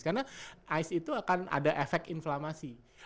karena ice itu akan ada efek inflammasi